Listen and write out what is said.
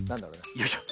よいしょ。